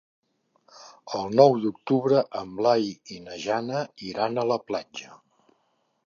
El nou d'octubre en Blai i na Jana iran a la platja.